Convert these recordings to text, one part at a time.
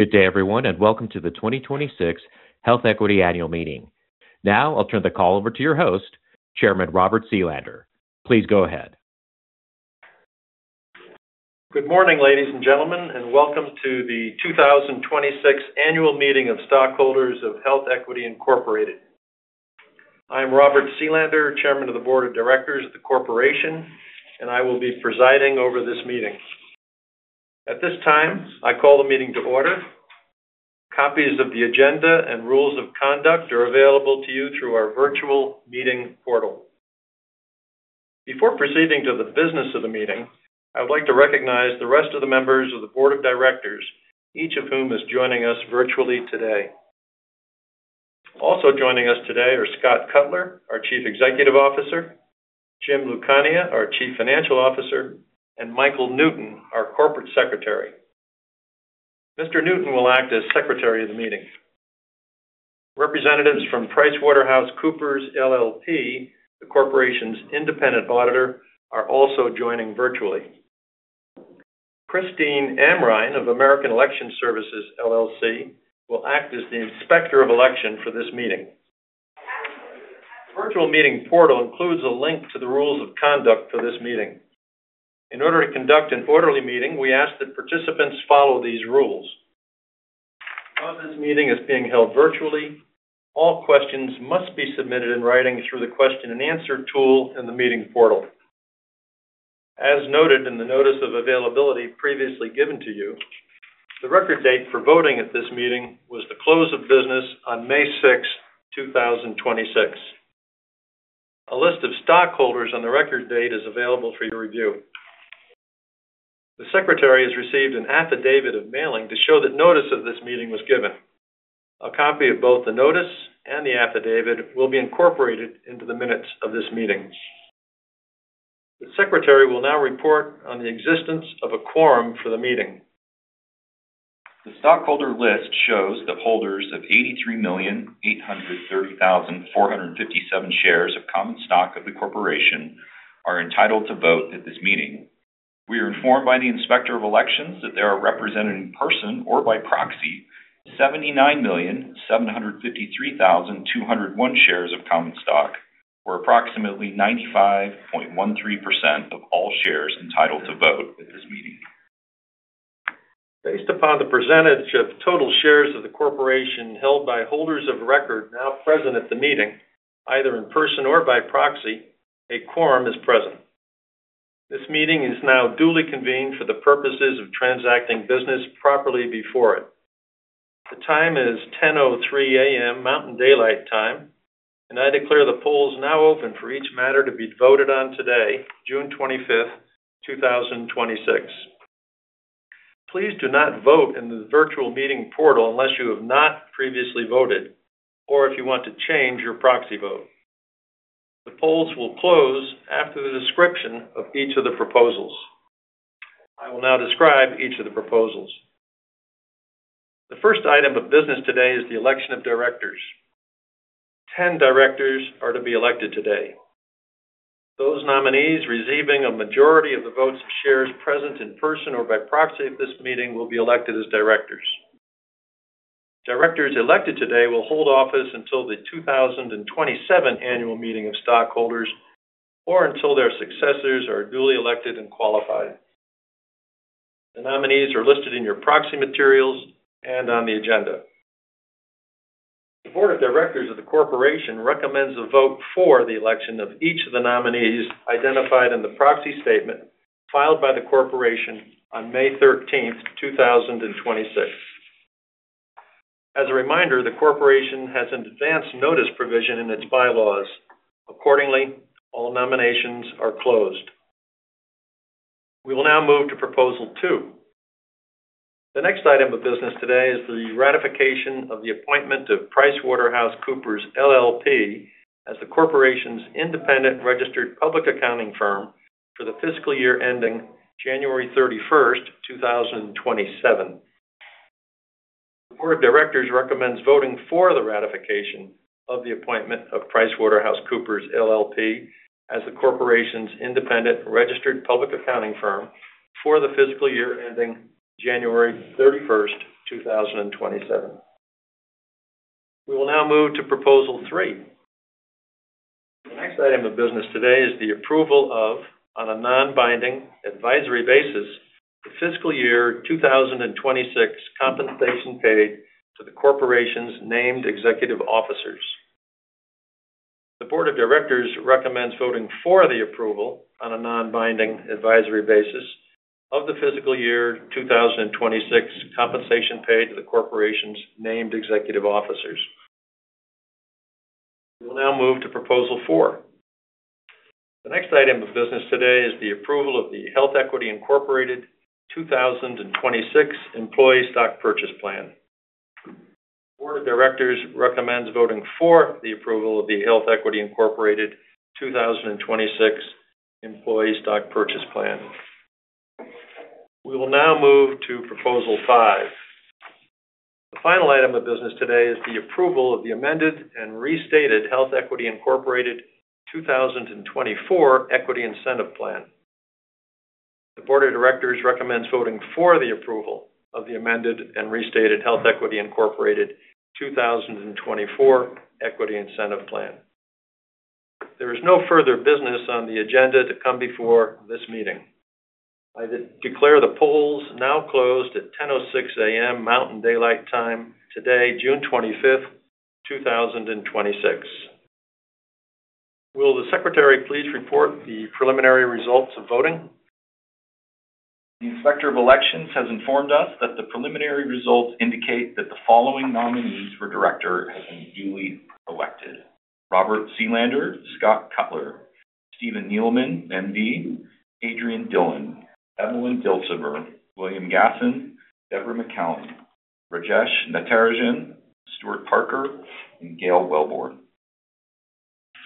Good day everyone, welcome to the 2026 HealthEquity Annual Meeting. Now I'll turn the call over to your host, Chairman Robert Selander. Please go ahead. Good morning, ladies and gentlemen, welcome to the 2026 Annual Meeting of Stockholders of HealthEquity Incorporated. I am Robert Selander, chairman of the board of directors of the corporation, and I will be presiding over this meeting. At this time, I call the meeting to order. Copies of the agenda and rules of conduct are available to you through our virtual meeting portal. Before proceeding to the business of the meeting, I would like to recognize the rest of the members of the board of directors, each of whom is joining us virtually today. Also joining us today are Scott Cutler, our chief executive officer, Jim Lucania, our chief financial officer, and Michael Newton, our corporate secretary. Mr. Newton will act as secretary of the meeting. Representatives from PricewaterhouseCoopers LLP, the corporation's independent auditor, are also joining virtually. Christine Amrhein of American Election Services, LLC will act as the inspector of election for this meeting. The virtual meeting portal includes a link to the rules of conduct for this meeting. In order to conduct an orderly meeting, we ask that participants follow these rules. While this meeting is being held virtually, all questions must be submitted in writing through the question-and-answer tool in the meeting portal. As noted in the notice of availability previously given to you, the record date for voting at this meeting was the close of business on May 6, 2026. A list of stockholders on the record date is available for your review. The secretary has received an affidavit of mailing to show that notice of this meeting was given. A copy of both the notice and the affidavit will be incorporated into the minutes of this meeting. The secretary will now report on the existence of a quorum for the meeting. The stockholder list shows that holders of 83,830,457 shares of common stock of the corporation are entitled to vote at this meeting. We are informed by the Inspector of Election that they are represented in person or by proxy 79,753,201 shares of common stock, or approximately 95.13% of all shares entitled to vote at this meeting. Based upon the percentage of total shares of the corporation held by holders of record now present at the meeting, either in person or by proxy, a quorum is present. This meeting is now duly convened for the purposes of transacting business properly before it. The time is 10:03 A.M. Mountain Daylight Time. I declare the polls now open for each matter to be voted on today, June 25th, 2026. Please do not vote in the virtual meeting portal unless you have not previously voted or if you want to change your proxy vote. The polls will close after the description of each of the proposals. I will now describe each of the proposals. The first item of business today is the election of directors. Ten directors are to be elected today. Those nominees receiving a majority of the votes of shares present in person or by proxy at this meeting will be elected as directors. Directors elected today will hold office until the 2027 Annual Meeting of Stockholders or until their successors are duly elected and qualified. The nominees are listed in your proxy materials and on the agenda. The board of directors of the corporation recommends a vote for the election of each of the nominees identified in the proxy statement filed by the corporation on May 13th, 2026. As a reminder, the corporation has an advanced notice provision in its bylaws. Accordingly, all nominations are closed. We will now move to proposal two. The next item of business today is the ratification of the appointment of PricewaterhouseCoopers LLP as the corporation's independent registered public accounting firm for the fiscal year ending January 31st, 2027. The board of directors recommends voting for the ratification of the appointment of PricewaterhouseCoopers LLP as the corporation's independent registered public accounting firm for the fiscal year ending January 31st, 2027. We will now move to proposal three. The next item of business today is the approval of, on a non-binding advisory basis, the fiscal year 2026 compensation paid to the corporation's named executive officers. The board of directors recommends voting for the approval on a non-binding advisory basis of the fiscal year 2026 compensation paid to the corporation's named executive officers. We will now move to proposal four. The next item of business today is the approval of the HealthEquity Incorporated 2026 employee stock purchase plan. The board of directors recommends voting for the approval of the HealthEquity Incorporated 2026 employee stock purchase plan. We will now move to proposal five. The final item of business today is the approval of the amended and restated HealthEquity, Inc. 2024 equity incentive plan. The Board of Directors recommends voting for the approval of the amended and restated HealthEquity, Inc. 2024 equity incentive plan. There is no further business on the agenda to come before this meeting. I declare the polls now closed at 10:06 A.M. Mountain Daylight Time today, June 25th, 2026. Will the Secretary please report the preliminary results of voting? The Inspector of Election has informed us that the preliminary results indicate that the following nominees for Director have been duly elected: Robert Selander, Scott Cutler, Stephen Neeleman, M.D., Adrian Dillon, Evelyn Dilsaver, William Gassen, Debra McCowan, Rajesh Natarajan, Stuart Parker, and Gayle Wellborn.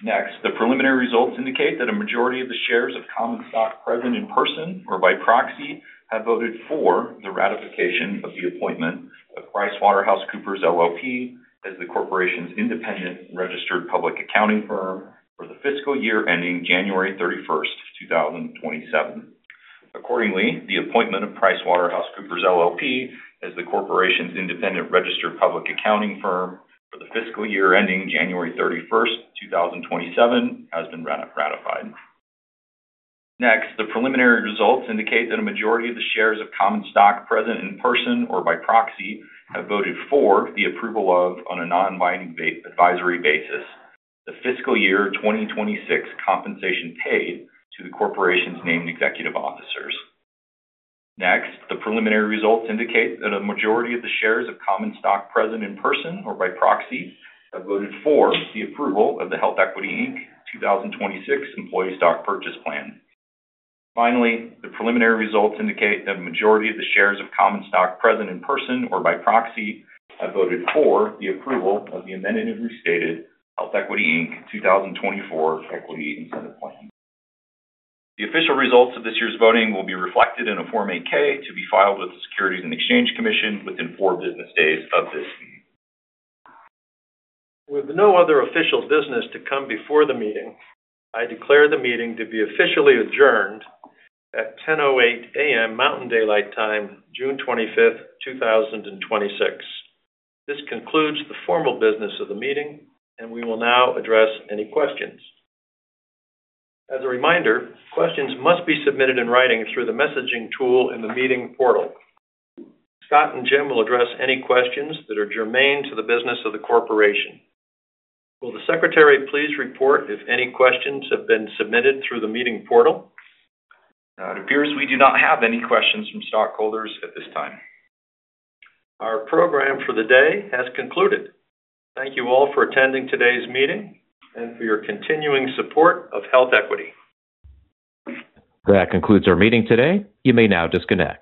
Next, the preliminary results indicate that a majority of the shares of common stock present in person or by proxy have voted for the ratification of the appointment of PricewaterhouseCoopers LLP as the corporation's independent registered public accounting firm for the fiscal year ending January 31st, 2027. Accordingly, the appointment of PricewaterhouseCoopers LLP as the corporation's independent registered public accounting firm for the fiscal year ending January 31st, 2027, has been ratified. Next, the preliminary results indicate that a majority of the shares of common stock present in person or by proxy have voted for the approval of, on a non-binding advisory basis, the fiscal year 2026 compensation paid to the corporation's named executive officers. Next, the preliminary results indicate that a majority of the shares of common stock present in person or by proxy have voted for the approval of the HealthEquity, Inc. 2026 employee stock purchase plan. Finally, the preliminary results indicate that a majority of the shares of common stock present in person or by proxy have voted for the approval of the amended and restated HealthEquity, Inc. 2024 equity incentive plan. The official results of this year's voting will be reflected in a Form 8-K to be filed with the Securities and Exchange Commission within four business days of this meeting. With no other official business to come before the meeting, I declare the meeting to be officially adjourned at 10:08 A.M. Mountain Daylight Time, June 25th, 2026. This concludes the formal business of the meeting, and we will now address any questions. As a reminder, questions must be submitted in writing through the messaging tool in the meeting portal. Scott and Jim will address any questions that are germane to the business of the corporation. Will the Secretary please report if any questions have been submitted through the meeting portal? It appears we do not have any questions from stockholders at this time. Our program for the day has concluded. Thank you all for attending today's meeting and for your continuing support of HealthEquity. That concludes our meeting today. You may now disconnect.